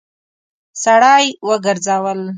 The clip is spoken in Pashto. سړی وګرځول.